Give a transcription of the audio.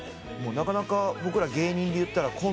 なかなか僕ら芸人でいったら。